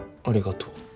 ありがとう。